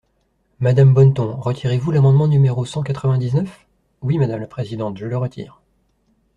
Madame Bonneton, retirez-vous l’amendement numéro cent quatre-vingt-dix-neuf ? Oui, madame la présidente, je le retire.